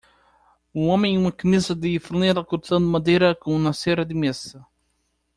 Um homem em uma camisa de flanela cortando madeira com uma serra de mesa.